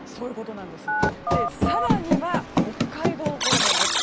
更には北海道方面なんです。